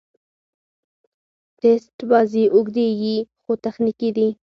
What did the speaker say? ټېسټ بازي اوږدې يي، خو تخنیکي دي.